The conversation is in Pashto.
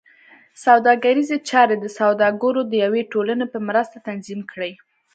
سوداګریزې چارې د سوداګرو د یوې ټولنې په مرسته تنظیم کړې.